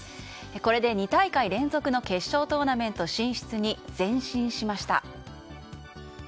これで２大会連続の決勝トーナメント進出に前進しました。